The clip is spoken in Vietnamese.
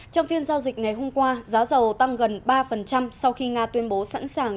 trong phiên giao dịch ngày hôm qua giá dầu tăng gần ba sau khi nga tuyên bố sẵn sàng